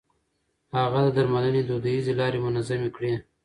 هغه د درملنې دوديزې لارې منظمې کړې.